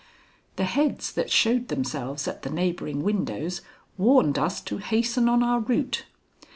The heads that showed themselves at the neighboring windows warned us to hasten on our route.